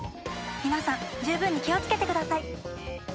皆さん十分に気をつけてください。